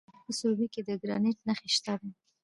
د کابل په سروبي کې د ګرانیټ نښې شته.